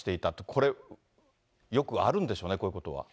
これ、よくあるんでしょうね、こういうことは。